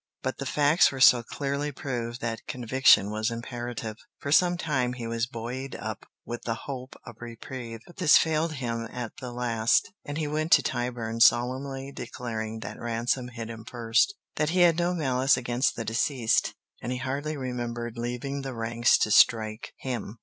But the facts were so clearly proved that conviction was imperative. For some time he was buoyed up with the hope of reprieve, but this failed him at the last, and he went to Tyburn solemnly declaring that Ransom hit him first; that he had no malice against the deceased, and he hardly remembered leaving the ranks to strike him.